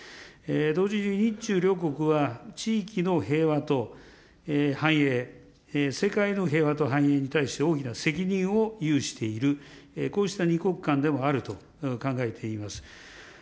同時に、日中両国は地域の平和と繁栄、世界の平和と繁栄に対して大きな責任を有している、こうした２国間でもあると考えています。